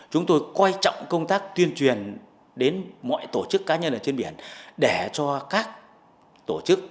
chúng tôi quan trọng công tác tuyên truyền đến mọi tổ chức cá nhân ở trên biển để cho các tổ chức